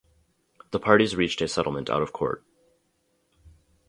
The parties reached a settlement out of court.